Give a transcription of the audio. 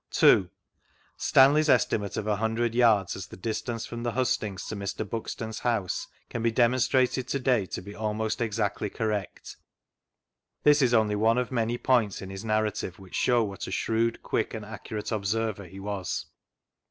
vGoogJc BISHOP STANLEY s 2. Stanley's estimate of a hundred yards, as the distance from the hustings to Mr. Buxton'ls house can be detnonstiated to day to be almost exactly correct. This is only one of many points in his narrative which show what a shrewd, quick, and accurate observer he was.